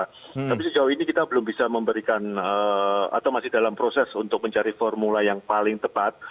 tapi sejauh ini kita belum bisa memberikan atau masih dalam proses untuk mencari formula yang paling tepat